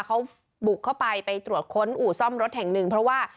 เขาบุกเข้าไปไปตรวจค้นอู่ซ่อมรถแห่งหนึ่งเพราะว่า